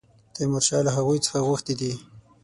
تیمورشاه له هغوی څخه غوښتي دي.